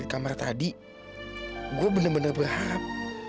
dan gue liat kamar tadi gue bener bener berharap